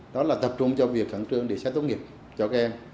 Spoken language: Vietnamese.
đó là tập trung cho việc khẳng trương để xét tốt nghiệp cho các em